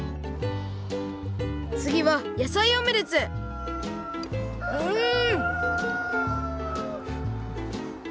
つぎは野菜オムレツうん！